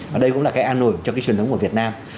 và đây cũng là cái an lồi cho cái truyền thống của việt nam